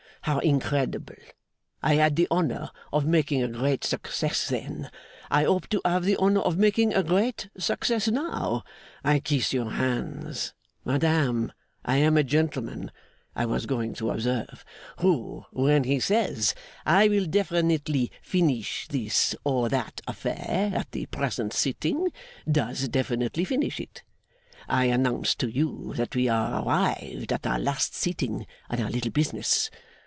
How incredible! I had the honour of making a great success then; I hope to have the honour of making a great success now. I kiss your hands. Madame, I am a gentleman (I was going to observe), who when he says, "I will definitely finish this or that affair at the present sitting," does definitely finish it. I announce to you that we are arrived at our last sitting on our little business.